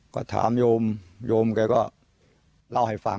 ก็ถามโยมโยมแกก็เล่าให้ฟัง